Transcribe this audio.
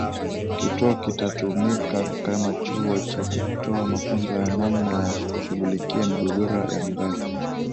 Kituo kitatumika kama Chuo cha kutoa mafunzo ya namna ya kushughulikia migogoro ya mirathi